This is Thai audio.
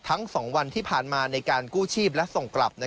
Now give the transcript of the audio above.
๒วันที่ผ่านมาในการกู้ชีพและส่งกลับ